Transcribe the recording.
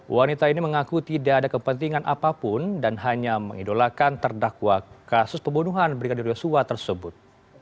wanita ini mengaku tidak ada kepentingan apapun dan hanya mengidolakan terdakwa kasus pembunuhan brigadir yosua tersebut